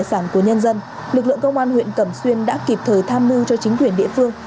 trong thời gian của nhân dân lực lượng công an huyện cẩm xuyên đã kịp thời tham mưu cho chính quyền địa phương